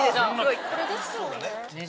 これですよね。